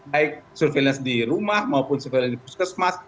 baik surveillance di rumah maupun surveillance di puskesmas